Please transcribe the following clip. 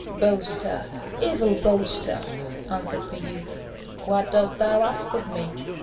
"Boaster, evil boaster!" answered the youth; "what dost thou ask of me?"